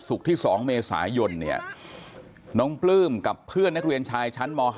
ที่๒เมษายนเนี่ยน้องปลื้มกับเพื่อนนักเรียนชายชั้นม๕